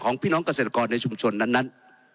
พี่น้องเกษตรกรในชุมชนนั้น